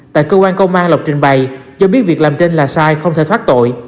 tại cơ quan công an lộc trình bày cho biết việc làm trên là sai không thể thoát tội